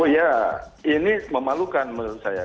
oh ya ini memalukan menurut saya